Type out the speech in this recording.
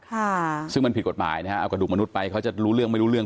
ค่ะซึ่งมันผิดกฎหมายนะฮะเอากระดูกมนุษย์ไปเขาจะรู้เรื่องไม่รู้เรื่อง